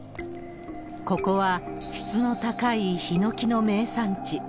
ここは、質の高いヒノキの名産地。